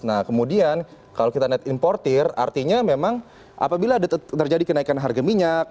nah kemudian kalau kita lihat importer artinya memang apabila ada terjadi kenaikan harga minyak